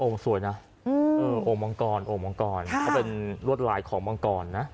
องค์สวยนะองค์มองค์กรเขาเป็นลวดลายของมองค์กรนะ